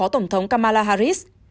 cảm ơn tổng thống kamala harris